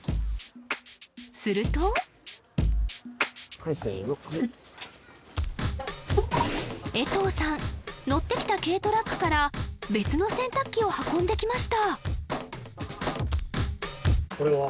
するとはいせの江藤さん乗ってきた軽トラックから別の洗濯機を運んできました